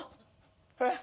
えっ？